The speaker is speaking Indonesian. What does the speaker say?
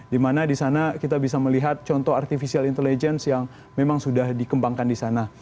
dimana disana kita bisa melihat contoh artificial intelligence yang memang sudah dikembangkan disana